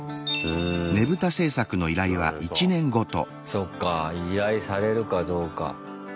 そっか依頼されるかどうか。